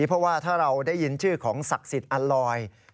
เพราะว่าถ้าเราได้ยินชื่อของศักดิ์สิทธิ์อัลลอย